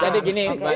jadi gini pak